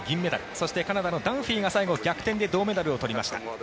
そしてカナダのダンフィーが最後逆転で銅メダルを取りました。